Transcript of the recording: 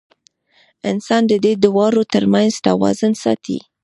انسان د دې دواړو تر منځ توازن ساتي.